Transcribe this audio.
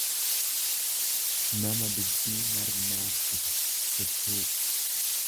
nama dubbii marmaarsitu, kuttuu.